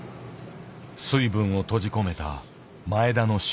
水分を閉じ込めた前田の処理。